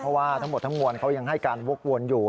เพราะว่าทั้งหมดทั้งมวลเขายังให้การวกวนอยู่